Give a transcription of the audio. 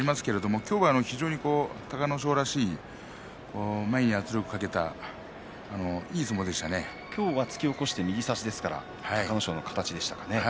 今日は隆の勝らしい前に圧力をかけた今日は突き起こして右差しでしたから隆の勝の形でしたね。